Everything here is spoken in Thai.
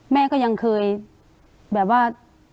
แม่ก็ยังเคยแบบว่า